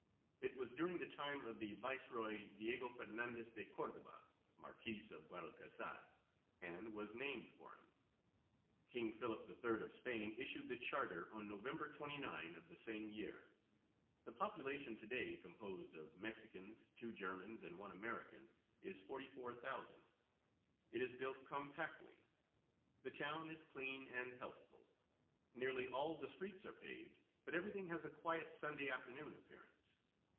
It was during the time of the Viceroy Diego Fernandez de Cordoba, Marquis of Guadalcazar, and was named for him. King Philip III. of Spain issued the charter on November 29 of the same year. The population to day, composed of Mexicans, 2 Germans and 1 American, is 44,000. It is built compactly. The town is clean and healthful. Nearly all the streets are paved, but everything has a quiet, Sunday afternoon appearance.